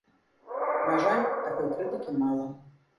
На жаль, такой крытыкі мала.